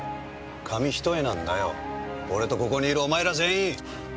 紙一重なんだよ俺とここにいるお前ら全員！